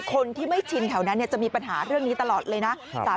คนที่ไม่ชินแถวนั้นจะมีปัญหาเรื่องนี้ตลอดเลยนะ